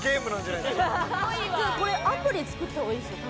これアプリ作った方がいいですよ。